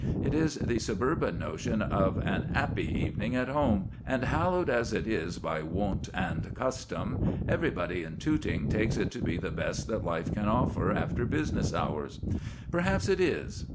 It is the suburban notion of an 'appy evening at home; and, hallowed as it is by wont and custom, everybody in Tooting takes it to be the best that life can offer after business hours. Perhaps it is.